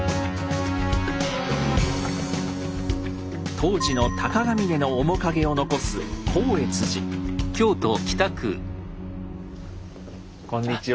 当時の鷹峯の面影を残すこんにちは。